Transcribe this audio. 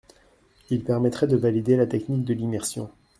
Il permettrait de valider la technique de l’immersion.